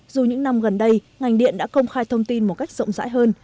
dù những năm gần đây ngành điện đã công khai thông tin một cách rộng rãi hơn